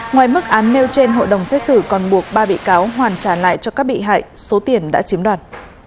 ngoài mức án nêu trên hội đồng xét xử còn buộc ba bị cáo hoàn trả lại cho các bị hại số tiền đã chiếm đoạt